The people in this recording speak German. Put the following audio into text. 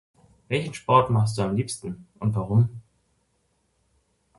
Welchen Sport machst Du am liebsten und warum?